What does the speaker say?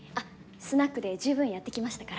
スナックで十分やってきましたから。